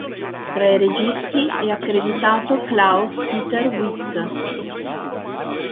Tra i registi è accreditato Claus Peter Witt.